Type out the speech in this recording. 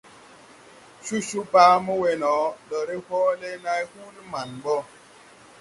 Cocoo baa mo we no, ndo re hoole nãy huulí maŋ ɓo.